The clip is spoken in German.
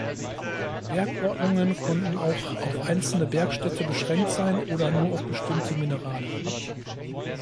Bergordnungen konnten auch auf einzelne Bergstädte beschränkt sein oder nur auf bestimmte Minerale.